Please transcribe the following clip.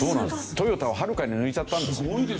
トヨタをはるかに抜いちゃったんです。